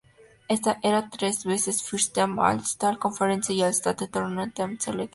Era tres veces first team all-state, all-conference, y all-state tournament team selection.